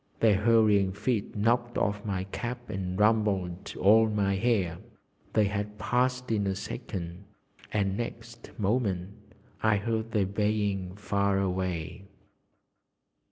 Their hurrying feet knocked off my cap and rumpled all my hair. They had passed in a second, and next moment I heard their baying far away.